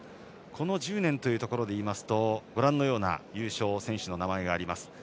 この１０年というところでいいますとご覧のような優勝選手の名前があります。